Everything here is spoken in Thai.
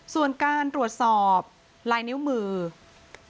ส่วนการรวจสอบลายนิ้วมือของเล่นที่ตกอยู่ในที่เกิดเหตุ